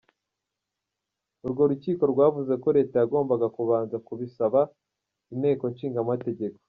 Urwo rukiko rwavuze ko leta yagombaga kubanza kubisaba inteko nshingamategeko.